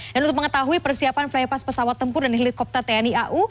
dan untuk mengetahui persiapan flypass pesawat tempur dan helikopter tni au